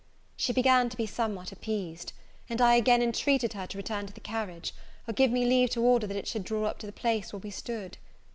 She began to be somewhat appeased; and I again intreated her to return to the carriage, or give me leave to order that it should draw up to the place where we stood.